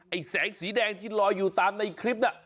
แสงสีแดงที่ลอยอยู่ตามในคลิปน่ะ